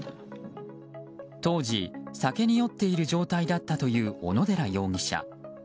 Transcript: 当時、酒に酔っている状態だったという小野寺容疑者。